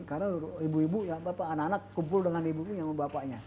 karena ibu ibu anak anak kumpul dengan ibu ibu sama bapaknya